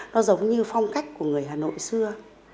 nó giống như phong cách của người hà nội xưa